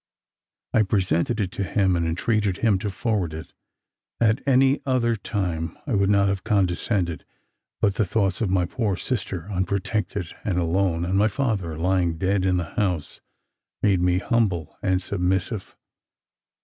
I presented it to him and entreated him to forward it. At any other time I would not have condescended: but the thoughts of my poor sister, unprotected and alone, and my father lying dead in the house, made me humble and submissive.